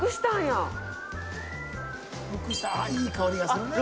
いい香りがするね。